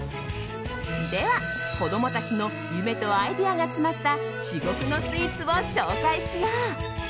では、子供たちの夢とアイデアが詰まった至極のスイーツを紹介しよう。